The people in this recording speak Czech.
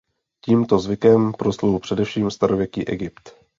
Tímto zvykem proslul především Starověký Egypt.